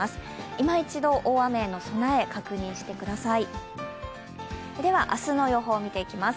今一度大雨への備え、確認してください。